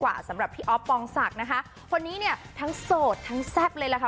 สำหรับพี่อ๊อฟปองศักดิ์นะคะคนนี้เนี่ยทั้งโสดทั้งแซ่บเลยล่ะค่ะ